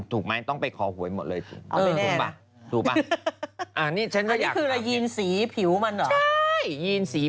ถูกไหมต้องไปขอหวยหมดเลย